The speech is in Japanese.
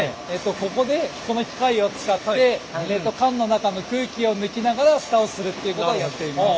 ここでこの機械を使って缶の中の空気を抜きながら蓋をするということをやっています。